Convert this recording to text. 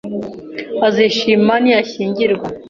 Azishima niyashyingirwa.